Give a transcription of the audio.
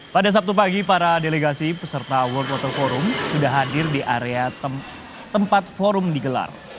pada sabtu pagi para delegasi peserta world water forum sudah hadir di area tempat forum digelar